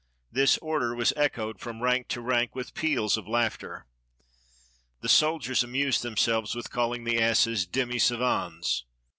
This order was echoed from rank to rank with peals of laughter. The soldiers amused themselves with calling the asses demi savans.